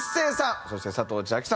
そして佐藤千亜妃さん。